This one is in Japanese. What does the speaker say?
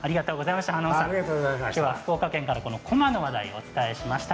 きょうは福岡県からこまの話題をお伝えしました。